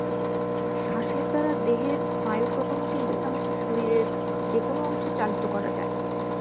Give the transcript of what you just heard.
শ্বাসের দ্বারা দেহের স্নায়ুপ্রবাহকে ইচ্ছামত শরীরের যে কোন অংশে চালিত করা যায়।